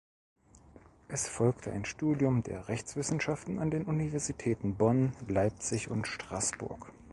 Es folgte ein Studium der Rechtswissenschaften an den Universitäten Bonn, Leipzig und Straßburg.